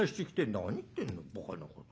「何言ってんのばかなこと。